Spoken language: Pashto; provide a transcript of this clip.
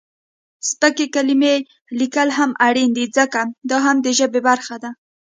سپکې کلمې لیکل هم اړین دي ځکه، دا هم د ژبې برخه ده.